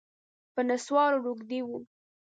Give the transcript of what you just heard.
په نسوارو روږدی و